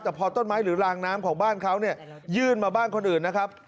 แต่พอต้นไม้หรือรางน้ำของบ้านเขาเนี่ยยื่นมาบ้านคนอื่นนะครับ